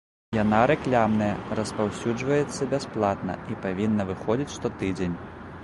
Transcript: Яна рэкламная, распаўсюджваецца бясплатна і павінна выходзіць штотыдзень.